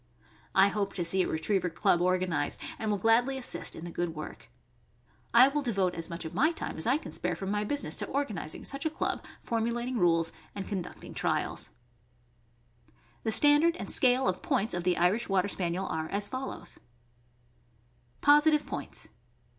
I hope to see a Retriever club organized, and will gladly assist in the good work. I will devote as much of my time as I can spare from my business to organizing such a club, formulating rules, and conducting trials. IRISH WATER SPANIEL PUPPIES. The standard and scale of points of the Irish Water Spaniel are as follows: POSITIVE POINTS.